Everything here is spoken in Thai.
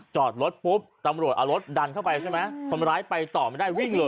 จอดรถปุ๊บตำรวจเอารถดันเข้าไปใช่ไหมคนร้ายไปต่อไม่ได้วิ่งเลย